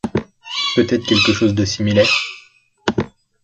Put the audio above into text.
Peut-être quelque chose de similaire ?